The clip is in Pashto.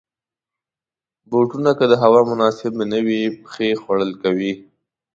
بوټونه که د هوا مناسب نه وي، پښې خولې کوي.